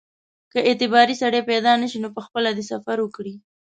که اعتباري سړی پیدا نه شي نو پخپله دې سفر وکړي.